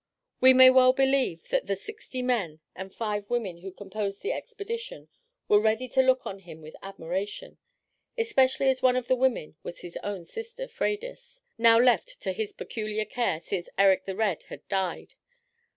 We may well believe that the sixty men and five women who composed the expedition were ready to look on him with admiration, especially as one of the women was his own sister, Freydis, now left to his peculiar care, since Erik the Red had died.